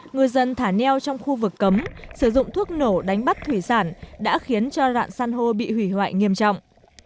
ngư dân thả neo trong khu vực cấm sử dụng thuốc nổ đánh bắt thủy sản đã khiến cho rạn san hô bị hủy hoại nghiêm trọng